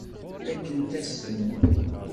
Fakkent-asen-ten.